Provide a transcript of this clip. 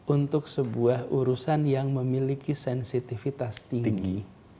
untuk sebuah urusan yang memiliki sensitivitas tinggi